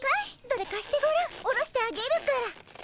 どれかしてごらん下ろしてあげるから。